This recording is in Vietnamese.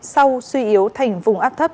sau suy yếu thành vùng áp thấp